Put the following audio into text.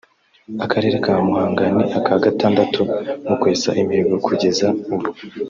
Akarere ka Muhanga ni aka gatandatu mu kwesa imihigo kugeza ubu